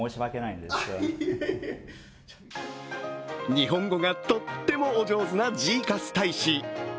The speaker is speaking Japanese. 日本語がとってもお上手なジーカス大使。